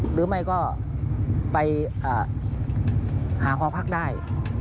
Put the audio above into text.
หรือไม่ก็ไปหาหอพักได้